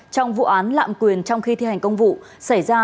trong vụ án lạm quyền trong khi thi hành công vụ xảy ra